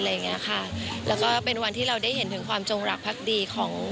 และก็เป็นวันที่เราได้เห็นถึงความจงหลักพรรคดี